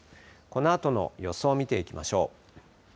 このあとの予想を見ていきましょう。